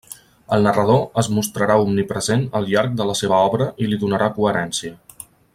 El narrador es mostrarà omnipresent al llarg de la seva obra i li donarà coherència.